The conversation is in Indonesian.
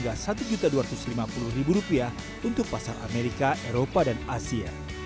dan satu juta hingga satu juta dua ratus lima puluh ribu rupiah untuk pasar amerika eropa dan asia